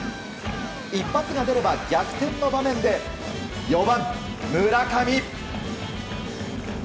一発が出れば逆転の場面で４番、村上。